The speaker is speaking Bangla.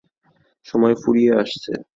সময় ফুরিয়ে আসছে।